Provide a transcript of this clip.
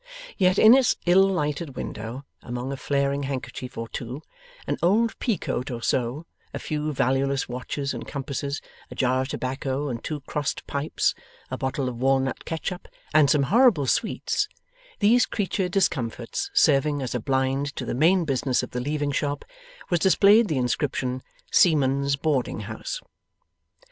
Yet in its ill lighted window, among a flaring handkerchief or two, an old peacoat or so, a few valueless watches and compasses, a jar of tobacco and two crossed pipes, a bottle of walnut ketchup, and some horrible sweets these creature discomforts serving as a blind to the main business of the Leaving Shop was displayed the inscription SEAMAN'S BOARDING HOUSE.